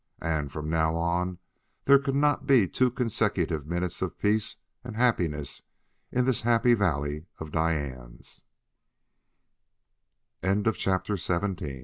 and from now on there could not be two consecutive minutes of peace and happiness in this Happy Valley of Diane's. CHAPTER XVIII _Besieged!